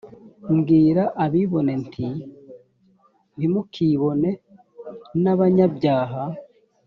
mbwira abibone nti ntimuk bone n abanyabyaha